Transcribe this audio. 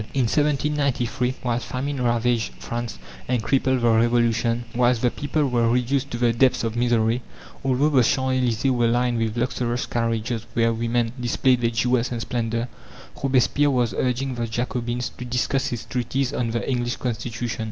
In 1793, while famine ravaged France and crippled the Revolution; whilst the people were reduced to the depths of misery, although the Champs Elysées were lined with luxurious carriages where women displayed their jewels and splendour, Robespierre was urging the Jacobins to discuss his treatise on the English Constitution.